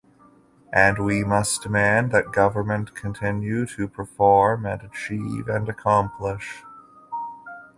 And we must demand that government continue to perform and achieve and accomplish.